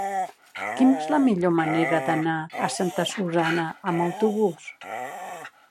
Quina és la millor manera d'anar a Santa Susanna amb autobús?